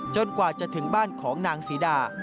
กว่าจะถึงบ้านของนางศรีดา